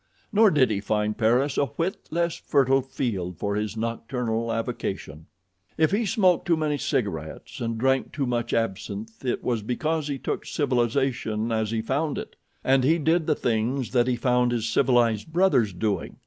Nor did he find Paris a whit less fertile field for his nocturnal avocation. If he smoked too many cigarettes and drank too much absinth it was because he took civilization as he found it, and did the things that he found his civilized brothers doing.